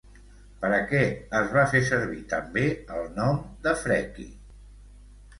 Per a què es va fer servir també el nom de Freki?